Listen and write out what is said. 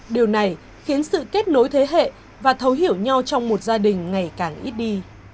điều này khiến sự kết nối thế hệ và thấu hiểu nhau trong một gia đình ngày càng ít đi